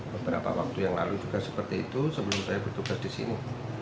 beberapa waktu yang lalu juga seperti itu sebelum saya bertugas di sini